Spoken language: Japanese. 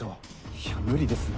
いや無理ですよ。